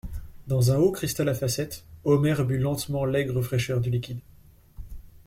Dans un haut cristal à facettes, Omer but lentement l'aigre fraîcheur du liquide.